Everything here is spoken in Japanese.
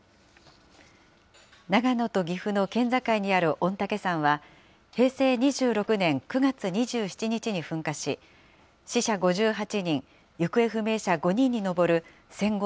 長野と岐阜の県境にある御嶽山は、平成２６年９月２７日に噴火し、死者５８人、行方不明者５人に上る戦後